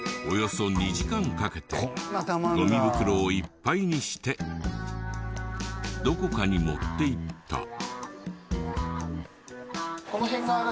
およそ２時間かけてゴミ袋をいっぱいにしてどこかに持っていった。